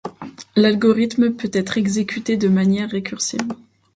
L'algorithme peut être exécuté de manière récursive.